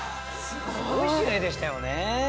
すごい試合でしたよね。